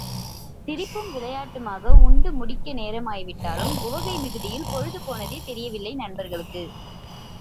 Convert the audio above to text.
சிரிப்பும் விளையாட்டுமாக உண்டு முடிக்க நேரமாய்விட்டாலும் உவகை மிகுதியில் பொழுது போனதே தெரியவில்லை நண்பர்களுக்கு.